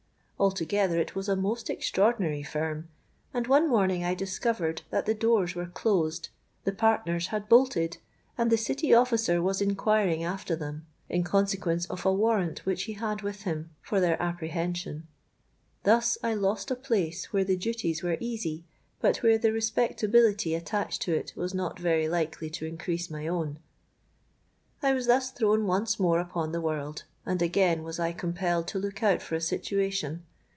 Altogether it was a most extraordinary firm; and one morning I discovered that the doors were closed, the partners had bolted, and the City officer was inquiring after them, in consequence of a warrant which he had with him for their apprehension. Thus I lost a place where the duties were easy, but where the respectability attached to it was not very likely to increase my own. "I was thus thrown once more upon the world; and again was I compelled to look out for a situation.